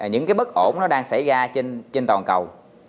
những cái bất ổn nó đang xảy ra trên toàn cầu